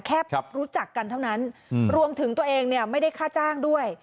แค่รู้จักกันเท่านั้นรวมถึงตัวเองเนี่ยไม่ได้ค่าจ้างด้วย